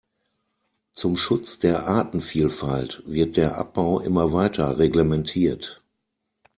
Zum Schutz der Artenvielfalt wird der Abbau immer weiter reglementiert.